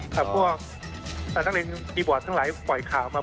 เพราะว่าทั้งเลนส์มีบอร์ดทั้งหลายปล่อยข่าวมา